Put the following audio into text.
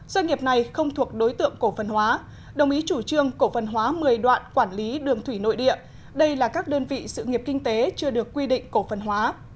doanh nghiệp này không thuộc đối tượng cổ phần hóa đồng ý chủ trương cổ phần hóa một mươi đoạn quản lý đường thủy nội địa đây là các đơn vị sự nghiệp kinh tế chưa được quy định cổ phần hóa